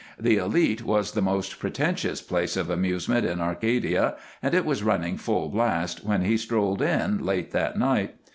The Elite was the most pretentious place of amusement in Arcadia and it was running full blast when he strolled in, late that night.